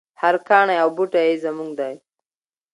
هر کاڼی او بوټی یې زموږ دی.